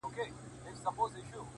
ځيني خلک ستاينه کوي